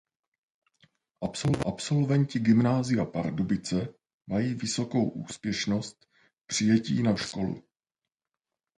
Absolventi Gymnázia Pardubice mají vysokou úspěšnost přijetí na vysokou školu.